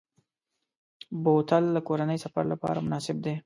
بوتل د کورنۍ سفر لپاره مناسب دی.